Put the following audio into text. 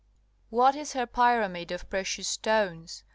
What is her pyramid of precious stones?